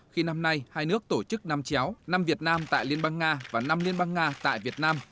khi năm nay hai nước tổ chức năm chéo năm việt nam tại liên bang nga và năm liên bang nga tại việt nam